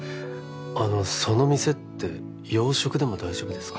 あのその店って洋食でも大丈夫ですか？